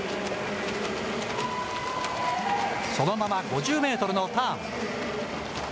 そのまま５０メートルのターン。